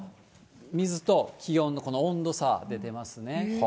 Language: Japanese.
水と気温のこの温度差で出ますね。